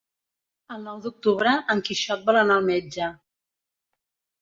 El nou d'octubre en Quixot vol anar al metge.